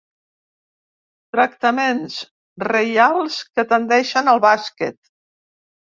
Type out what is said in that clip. Tractaments reials que tendeixen al bàsquet.